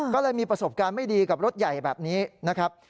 ก็เลยมีประสบการณ์ไม่ดีกับรถใหญ่แบบนี้นะครับ